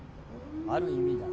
・「ある意味」だ。